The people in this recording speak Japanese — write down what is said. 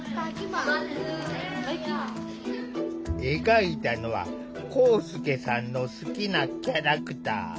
描いたのは光祐さんの好きなキャラクター。